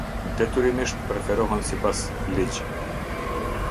Detyrimisht preferohen sipas ligj.